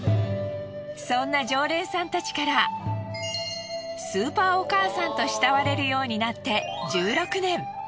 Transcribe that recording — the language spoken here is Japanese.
そんな常連さんたちからスーパーお母さんと慕われるようになって１６年。